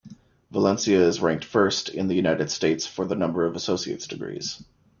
Valencia is ranked first in the United States for the number of associate's degrees.